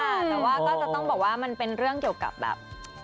แต่ว่าก็จะต้องบอกว่ามันเป็นเรื่องเกี่ยวกับแบบ